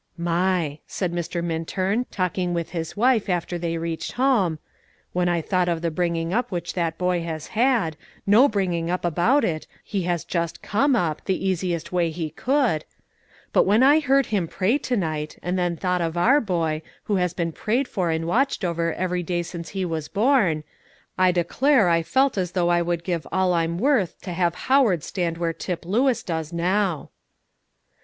"My!" said Mr. Minturn, talking with his wife after they reached home; "when I thought of the bringing up which that boy has had, no bringing up about it, he has just come up, the easiest way he could, but when I heard him pray to night, and then thought of our boy, who has been prayed for and watched over every day since he was born, I declare I felt as though I would give all I'm worth to have Howard stand where Tip Lewis does now."